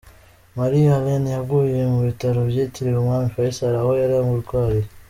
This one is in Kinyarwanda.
Marie Helene yaguye mu bitaro byitiriwe umwami Faisal aho yari arwariye.